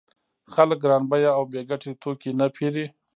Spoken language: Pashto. خلک ګران بیه او بې ګټې توکي نه پېري